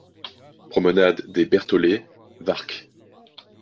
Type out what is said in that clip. Promenade des Bertholet, Warcq